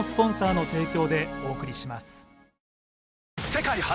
世界初！